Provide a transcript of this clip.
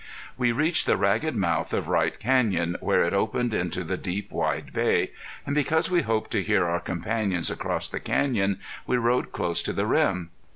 We reached the ragged mouth of Right Canyon, where it opened into the deep, wide Bay, and because we hoped to hear our companions across the canyon, we rode close to the rim.